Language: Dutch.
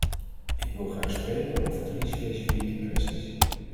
Ik wil graag spreken over drie specifieke kwesties.